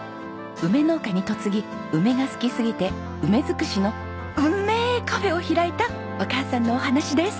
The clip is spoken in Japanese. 梅農家に嫁ぎ梅が好きすぎて梅づくしのうめカフェを開いたお母さんのお話です。